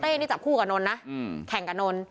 เต้นี่จับคู่กับนนนะแข่งกับนน